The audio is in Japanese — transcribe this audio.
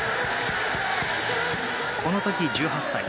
この時、１８歳。